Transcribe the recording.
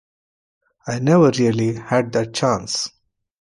I never really had that chance.